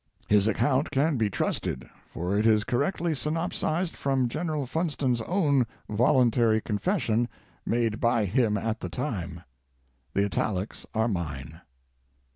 His account can be trusted, for it is correctly synop sized from General Funston's own voluntary confession made by him at the time. The italics are mine.